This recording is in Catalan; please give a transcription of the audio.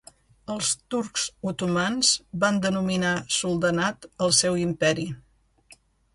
Els turcs otomans van denominar soldanat el seu imperi.